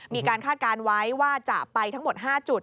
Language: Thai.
คาดการณ์ไว้ว่าจะไปทั้งหมด๕จุด